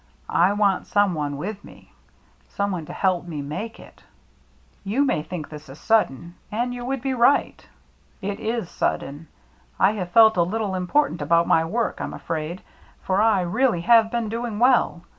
I want some one with me — some one to help me make it. You may think this is sudden — and you would be right. 86 THE MERRT ANNE It is sudden. I have felt a little important about my work, I'm afraid, for I really have been doing well.